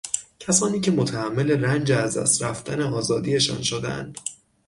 کسانی که متحمل رنج از دست رفتن آزادیشان شدند